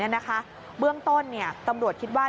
เรื่องต้นเนี่ยตำรวจคิดว่า